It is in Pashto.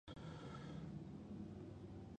په يوه برخه کې يې خلک څومره په هوساينه کې ژوند کوي.